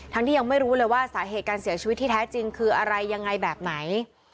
ที่ยังไม่รู้เลยว่าสาเหตุการเสียชีวิตที่แท้จริงคืออะไรยังไงแบบไหน